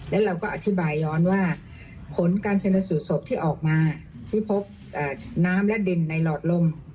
และเราก็อธิบายย้อนว่าผลการชนสูตรศพที่ออกมาที่พบน้ำและดินในหลอดลม